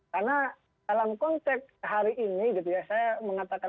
karena dalam konteks hari ini gitu ya saya sudah mencari pertanyaan